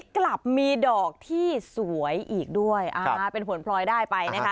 กลับมีดอกที่สวยอีกด้วยเป็นผลพลอยได้ไปนะคะ